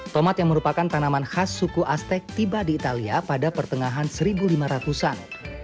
tomat yang merupakan tanaman khas suku aztek tiba di italia pada pertengahan seribu lima ratus an